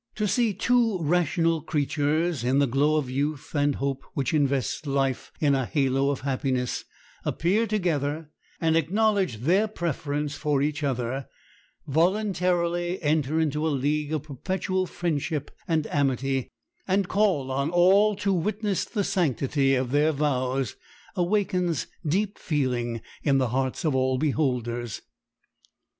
To see two rational creatures, in the glow of youth and hope which invests life in a halo of happiness, appear together and acknowledge their preference for each other, voluntarily enter into a league of perpetual friendship and amity, and call on all to witness the sanctity of their vows, awakens deep feeling in the hearts of all beholders.